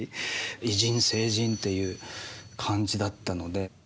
偉人聖人っていう感じだったので。